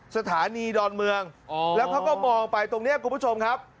สถานีดอนเมืองแล้วเขาก็มองไปตรงนี้คุณผู้ชมครับ